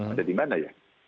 ada di mana ya